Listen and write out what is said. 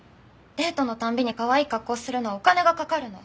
デートの度にかわいい格好するのはお金がかかるの。